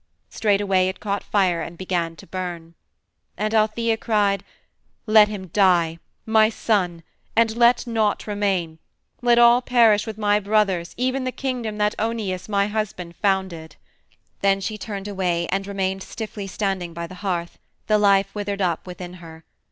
Straightway it caught fire and began to burn. And Althæa cried, "Let him die, my son, and let naught remain; let all perish with my brothers, even the kingdom that Oeneus, my husband, founded." Then she turned away and remained stiffly standing by the hearth, the life withered up within her.